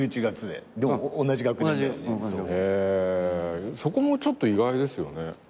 へぇそこもちょっと意外ですよね。